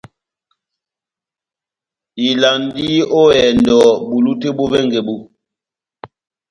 Ivalandi ó ehɛndɔ bulu tɛ́h bó vɛngɛ bó.